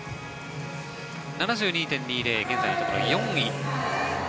７２．２０現在のところ４位。